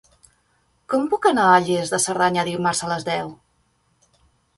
Com puc anar a Lles de Cerdanya dimarts a les deu?